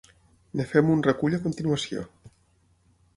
En fem un recull a continuació.